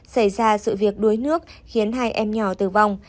xảy ra sự việc đuối nước khiến hai em nhỏ tử vong